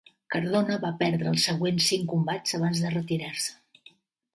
Cardona va perdre els següents cinc combats abans de retirar-se.